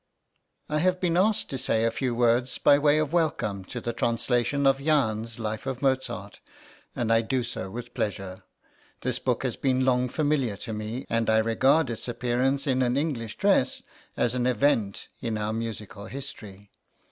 } I HAVE been asked to say a few words by way of welcome to the translation of Jahn's Life of Mozart, and I do so with pleasure. The book has been long familiar to me, and I regard its appearance in an English dress as an event in our musical history.